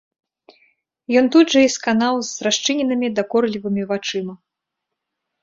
Ён тут жа і сканаў з расчыненымі дакорлівымі вачамі.